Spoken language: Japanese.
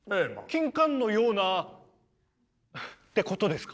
キンカンのようなってことですか？